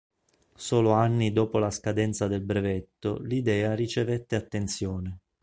Solo anni dopo la scadenza del brevetto l'idea ricevette attenzione.